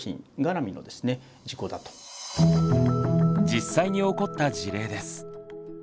実際に起こった事例です。